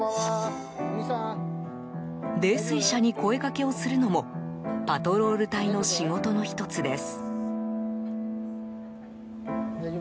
泥酔者に声かけをするのもパトロール隊の仕事の１つです。